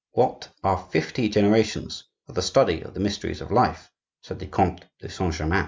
"What are fifty generations for the study of the mysteries of life?" said the Comte de Saint Germain.